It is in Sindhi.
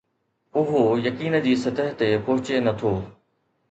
اهو يقين جي سطح تي پهچي نه ٿو